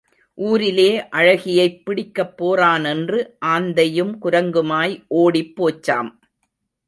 ஊரிலே அழகியைப் பிடிக்கப் போகிறானென்று ஆந்தையும் குரங்குமாய் ஓடிப் போச்சாம்.